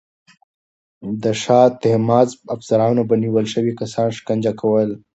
د شاه طهماسب افسرانو به نیول شوي کسان شکنجه کول.